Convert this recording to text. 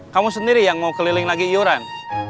kamu sendiri yang mau keliling lagi iuran